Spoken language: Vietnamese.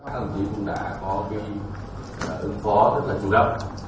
các đồng chí cũng đã có cái ứng phó rất là chủ động